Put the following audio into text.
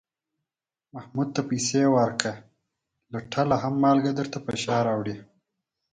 محمود ته پسې ورکړه، له ټل نه هم مالگه درته په شا راوړي.